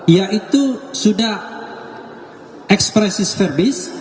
yaitu sudah ekspresi serbis